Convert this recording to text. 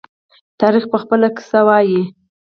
تاریخ به خپله قصه ووايي.